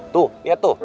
tuh lihat tuh